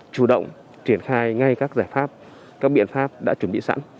chủ động triển khai ngay các giải pháp các biện pháp đã chuẩn bị sẵn